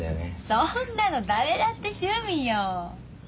そんなの誰だって趣味よ。